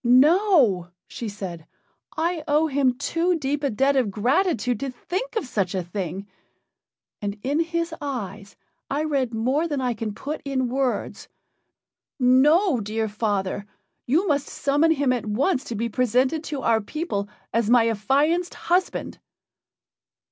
"No," she said. "I owe him too deep a debt of gratitude to think of such a thing. And in his eyes I read more than I can put in words. No, dear father! you must summon him at once to be presented to our people as my affianced husband."